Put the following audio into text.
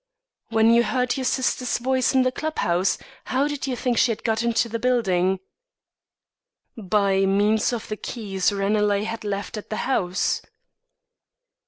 "When you heard your sister's voice in the club house, how did you think she had got into the building?" "By means of the keys Ranelagh had left at the house."